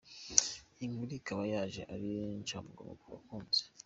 Iyi nkuru ikaba yaje ari inshamugongo ku bakunzi.